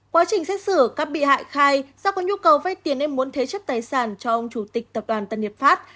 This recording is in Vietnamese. quá trình xét xử các bị hại khai do có nhu cầu vay tiền nên muốn thế chất tài sản cho ông chủ tịch tập đoàn tân hiệp pháp